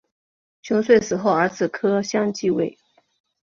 熊遂死后儿子柯相继位。